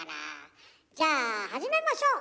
じゃあ始めましょう！